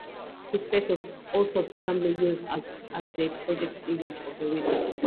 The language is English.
His face was also presumably used as the projected image of the Wizard.